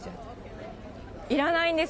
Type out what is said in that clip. いらないんです。